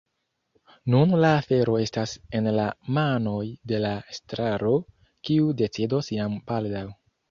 Nun la afero estas en la manoj de la estraro, kiu decidos jam baldaŭ.